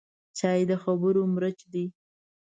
چای د خبرو مرچ دی